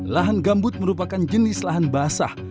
lahan gambut merupakan jenis lahan basah